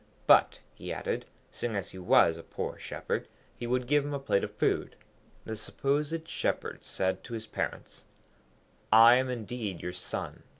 But, he added, seeing that he was a poor Shepherd, he would give him a plate of food. The supposed Shepherd said to his parents, 'I am indeed your son.